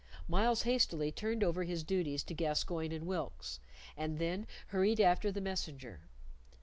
Myles hastily turned over his duties to Gascoyne and Wilkes, and then hurried after the messenger.